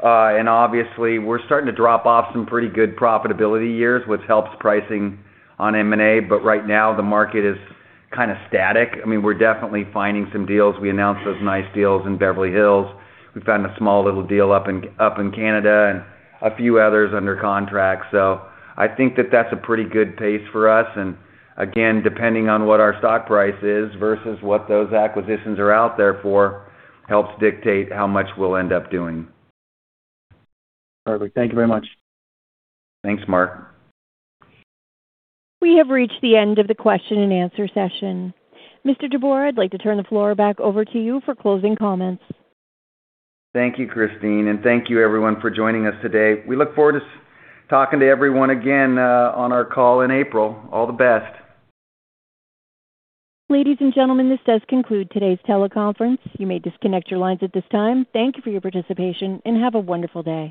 And obviously, we're starting to drop off some pretty good profitability years, which helps pricing on M&A. But right now, the market is kind of static. I mean, we're definitely finding some deals. We announced those nice deals in Beverly Hills. We found a small little deal up in Canada and a few others under contract. So I think that that's a pretty good pace for us. And again, depending on what our stock price is versus what those acquisitions are out there for helps dictate how much we'll end up doing.
Perfect. Thank you very much.
Thanks, Mark.
We have reached the end of the question-and-answer session. Mr. DeBoer, I'd like to turn the floor back over to you for closing comments.
Thank you, Christine. And thank you, everyone, for joining us today. We look forward to speaking to everyone again, on our call in April. All the best.
Ladies and gentlemen, this does conclude today's teleconference. You may disconnect your lines at this time. Thank you for your participation, and have a wonderful day.